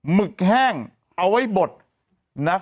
หึกแห้งเอาไว้บดนะ